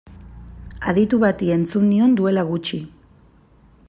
Aditu bati entzun nion duela gutxi.